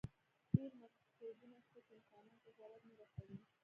ډېر مکروبونه شته چې انسانانو ته ضرر نه رسوي.